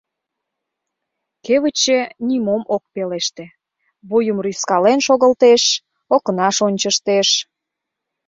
Кевытче нимом ок пелеште, вуйым рӱзкален шогылтеш, окнаш ончыштеш.